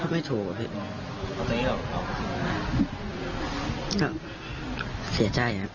ไม่ถูกอ่ะพี่